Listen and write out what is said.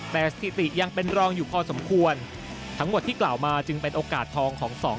แต่สถิติยังเป็นรองอยู่พอสมควรทั้งหมดที่กล่าวมาจึงเป็นโอกาสทองของสอง